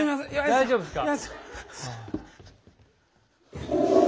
大丈夫ですか？